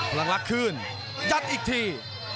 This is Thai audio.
ลังลักษณ์คืนยัดอีกที